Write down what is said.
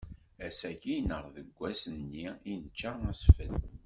Ass-agi neɣ deg wass-nni i nečča asfel.